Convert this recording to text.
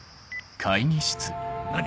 何？